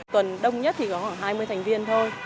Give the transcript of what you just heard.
tuần đông nhất thì có khoảng hai mươi thành viên thôi